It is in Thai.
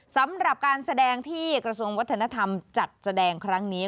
สำหรับการแสดงที่กระทรวงวัฒนธรรมจัดแสดงครั้งนี้